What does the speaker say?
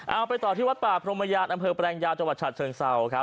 เอาไปต่อที่วัดป่าพรมยานอำเภอแปลงยาวจังหวัดฉะเชิงเศร้าครับ